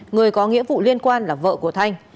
người có nghĩa vụ liên quan là vợ của thanh